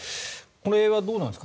これはどうなんですか？